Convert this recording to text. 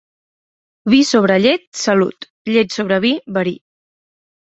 Vi sobre llet, salut; llet sobre vi, verí.